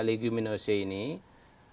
kalau ini tumbuhan yang keluarga dari leguminosium